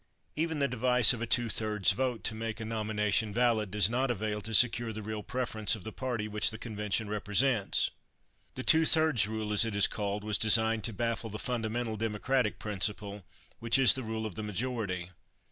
Even the device of a two thirds vote to make a nomination valid does not avail to secure the real preference of the party which the convention represents. The two thirds rule, as it is called, was designed to baffle the fundamental democratic principle, which is the rule of the majority.